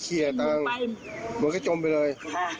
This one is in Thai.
เหมือนกับแกจมไปเลย